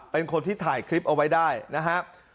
เป็นคนที่ถ่ายคลิปเอาไว้ได้นะครับ